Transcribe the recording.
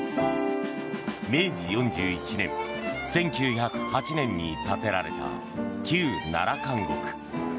明治４１年１９０８年に建てられた旧奈良監獄。